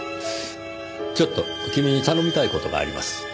ちょっと君に頼みたい事があります。